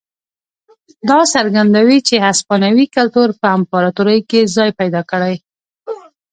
دا څرګندوي چې هسپانوي کلتور په امپراتورۍ کې ځای پیدا کړی.